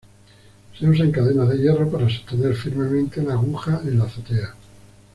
Se usan cadenas de hierro para sostener firmemente la aguja en la azotea.